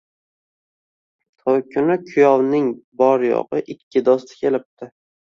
Toʻy kuni kuyovning bor-yoʻgʻi ikki doʻsti kelibdi.